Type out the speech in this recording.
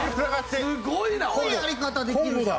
すごいやり方できるじゃん。